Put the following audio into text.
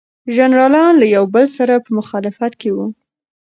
جنرالان له یو بل سره په مخالفت کې وو.